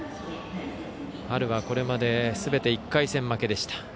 春はこれまですべて１回戦負けでした。